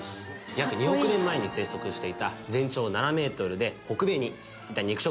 約２億年前に生息していた全長７メートルで北米にいた肉食恐竜です。